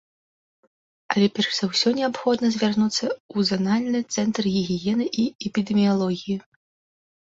Але перш за ўсё неабходна звярнуцца ў занальны цэнтр гігіены і эпідэміялогіі.